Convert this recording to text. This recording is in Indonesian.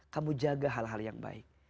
kamu jaga hal hal yang baik